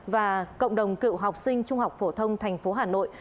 và cộng đồng cựu học sinh trung học phổ thông thành phố hà nội